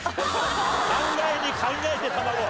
考えに考えてたまご。